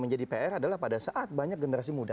jadi pr adalah pada saat banyak generasi muda